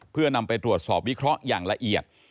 เพื่อนำไปตรวจสอบวิเคราะห์อย่างละเอียด